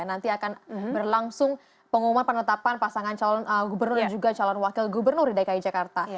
nanti akan berlangsung pengumuman penetapan pasangan calon gubernur dan juga calon wakil gubernur di dki jakarta